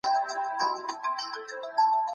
موږ په صنف کي د کمپیوټري شبکو په اړه لولو.